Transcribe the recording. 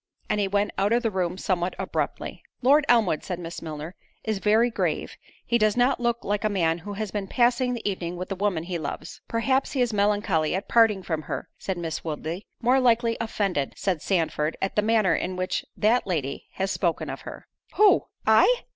And he went out of the room somewhat abruptly. "Lord Elmwood," said Miss Milner, "is very grave—he does not look like a man who has been passing the evening with the woman he loves." "Perhaps he is melancholy at parting from her," said Miss Woodley. "More likely offended," said Sandford, "at the manner in which that lady has spoken of her." "Who, I?